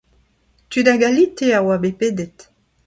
Tud a galite a oa bet pedet.